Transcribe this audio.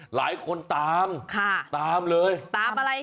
หลายคนตามค่ะตามเลยตามอะไร